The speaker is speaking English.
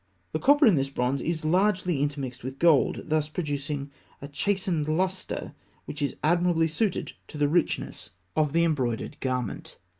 The copper in this bronze is largely intermixed with gold, thus producing a chastened lustre which is admirably suited to the richness of the embroidered garment.